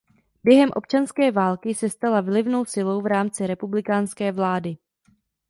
Během občanské války se stala vlivnou silou v rámci republikánské vlády.